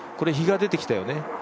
日が出てきたよね？